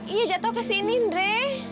iya jatuh ke sini andre